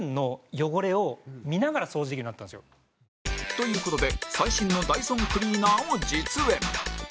という事で最新のダイソンクリーナーを実演